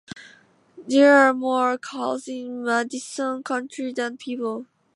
There are more cows in Madison County than people.